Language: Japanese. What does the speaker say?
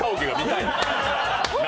何！？